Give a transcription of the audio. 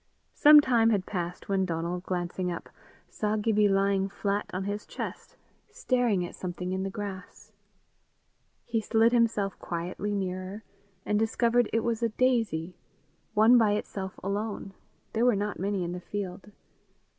Some time had passed when Donal, glancing up, saw Gibbie lying flat on his chest, staring at something in the grass. He slid himself quietly nearer, and discovered it was a daisy one by itself alone; there were not many in the field.